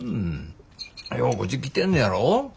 ようこっち来てんねやろ？